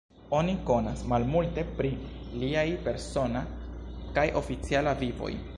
Oni konas malmulte pri liaj persona kaj oficiala vivoj.